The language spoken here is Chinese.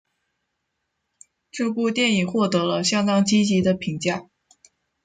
这部电影获得了相当积极的评价。